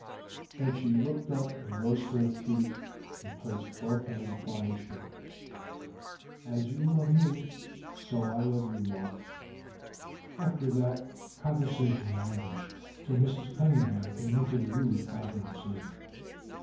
Then she looked up and rose to her feet, and placed both hands upon his shoulders. "As you love me, so I love you, Mark." After that, conversation languished till Mrs. Cunningham came into the room, five minutes later.